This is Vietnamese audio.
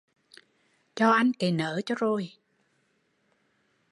Cho anh cấy nớ cho rồi